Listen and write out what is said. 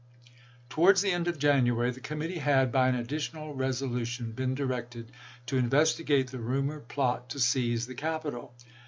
Towards the end of January the Committee had, lsei. by an additional resolution, been directed to inves tigate the rumored plot to seize the capital.